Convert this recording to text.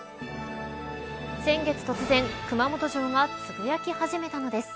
先月突然、熊本城がつぶやき始めたのです。